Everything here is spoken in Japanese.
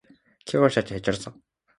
けがをしたって、へっちゃらさ